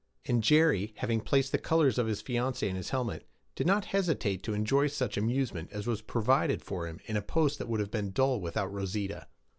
And Jerry, having placed the colors of his fiancée in his helmet, did not hesitate to enjoy such amusement as was provided for him in a post that would have been dull without Rosita.